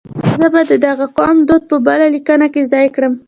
زه به د دغه قوم دود په بله لیکنه کې ځای کړم.